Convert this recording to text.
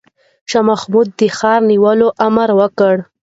شاه محمود د ښار د نیولو امر وکړ.